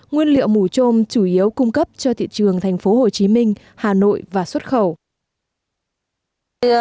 nguyên liệu mủ trôm chủ yếu cung cấp cho thị trường thành phố hồ chí minh hà nội và xuất khẩu